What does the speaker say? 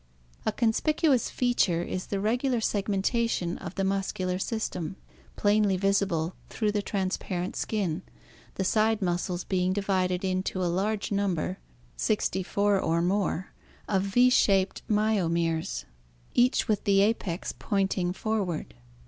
A conspicuous feature is the regular segmentation of the muscular system, plainly visible through the transparent skin, the side muscles being divided into a large number (64=4=) of V shaped myomeres (Gr. fits, muscle, and fUpos, part), each with the apex pointing forward.